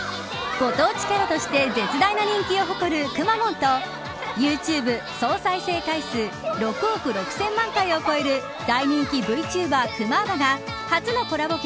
ご当地キャラとして絶大な人気を誇るくまモンとユーチューブ総再生回数６億６０００万回を超える大人気ブイチューバークマーバが初のコラボ曲